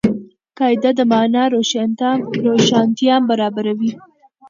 قاعده د مانا روښانتیا برابروي.